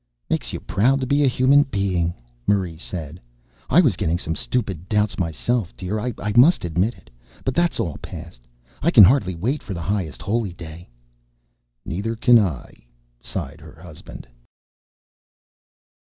"Makes you proud to be a human being," Marie said. "I was getting some stupid doubts myself, dear. I must admit it. But that's all past. I can hardly wait for the Highest Holy Day." "Neither can I," sighed her husband.